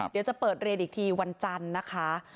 เดี๋ยวจะเปิดเรียนอีกทีวันจันทร์นะคะ